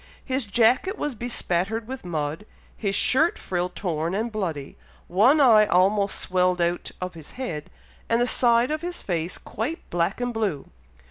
His jacket was bespattered with mud, his shirt frill torn and bloody, one eye almost swelled out of his head, and the side of his face quite black and blue.